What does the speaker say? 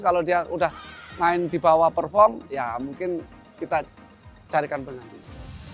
kalau dia udah main di bawah perform ya mungkin kita carikan penampilan